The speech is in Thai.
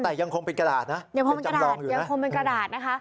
แต่ยังคงเป็นกระดาษนะเป็นจำลองอยู่นะ